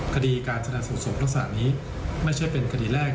กดีการสนับสนุกรักษรรยังนี้ไม่ใช่เป็นกดีแรก